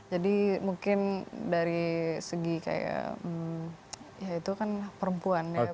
jadi mungkin dari segi kayak ya itu kan perempuan ya